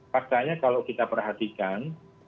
faktanya kalau kita perhatikan